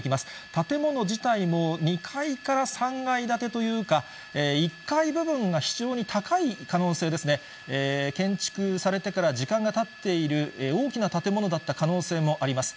建物自体も２階から３階建てというか、１階部分が非常に高い可能性ですね、建築されてから時間がたっている大きな建物だった可能性もあります。